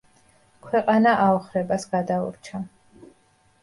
ქვეყანა აოხრებას გადაურჩა.